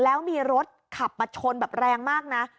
แล้วมีรถขับมาชนแบบแรงมากนะ